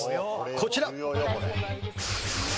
こちら！